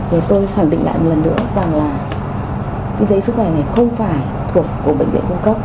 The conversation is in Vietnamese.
rồi tôi khẳng định lại một lần nữa rằng là cái giấy sức khỏe này không phải thuộc của bệnh viện cung cấp